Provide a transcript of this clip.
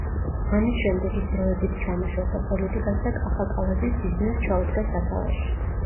ამის შემდეგ ის დროებით ჩამოშორდა პოლიტიკას და კახა კალაძის ბიზნესს ჩაუდგა სათავეში.